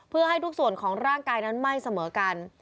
เพื่อให้ทุกส่วนของร่างกายนั้นไม่เสมอกัน